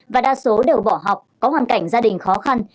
và đa số đều bỏ học có hoàn cảnh gia đình khó khăn